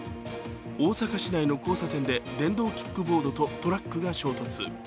大阪市内の交差点で電動キックボードとトラックが衝突。